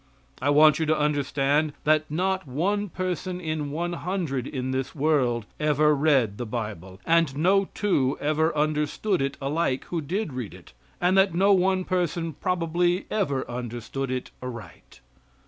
I want you to understand that not one person in one hundred in this world ever read the Bible, and no two ever understood it alike who did read it, and that no one person probably ever understood it aright.